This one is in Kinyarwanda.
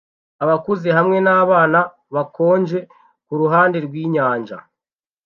Abakuze hamwe nabana bakonje kuruhande rwinyanja